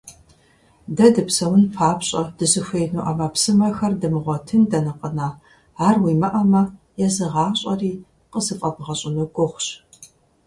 Дэ дыпсэун папщӀэ дызыхуеину Ӏэмэпсымэхэр дымыгъуэтын дэнэ къэна, ар уимыӀэмэ, езы гъащӀэри къызыфӀэбгъэщӀыну гугъущ.